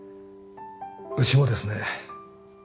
うちもですね